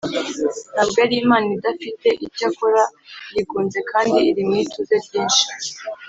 ntabwo ari imana idafite icyo ikora, yigunze kandi iri mu ituze ryinshi